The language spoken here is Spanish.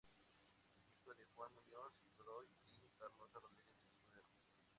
Hijo de Juan Muñoz Godoy y Carlota Rodríguez Escudero.